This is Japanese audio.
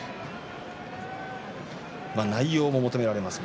内容も求められます。